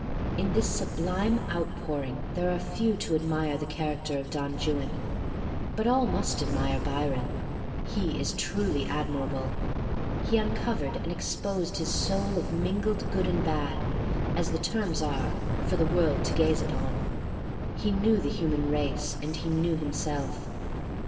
In this sublime outpouring there are few to admire the character of Don Juan, but all must admire Byron. He is truly admirable. He uncovered and exposed his soul of mingled good and bad — as the terms are — for the world to gaze upon. He knew the human race, and he knew himself.